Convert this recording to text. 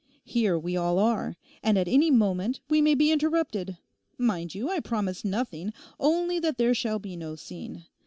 Here we all are, and at any moment we may be interrupted. Mind you, I promise nothing—only that there shall be no scene.